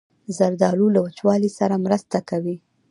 زردالو له وچوالي سره مرسته کوي.